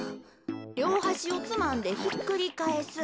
りょうはしをつまんでひっくりかえす。